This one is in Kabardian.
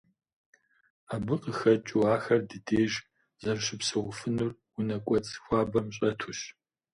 Абы къыхэкӏыу ахэр ди деж зэрыщыпсэуфынур унэ кӏуэцӏ хуабэм щӏэтущ.